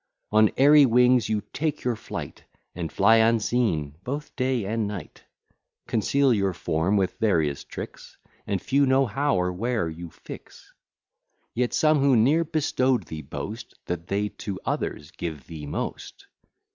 On airy wings you take your flight, And fly unseen both day and night; Conceal your form with various tricks; And few know how or where you fix: Yet some, who ne'er bestow'd thee, boast That they to others give thee most.